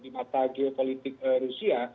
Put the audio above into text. di mata geopolitik rusia